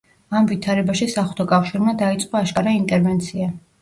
ამ ვითარებაში საღვთო კავშირმა დაიწყო აშკარა ინტერვენცია.